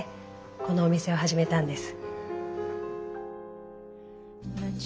このお店を始めたんです。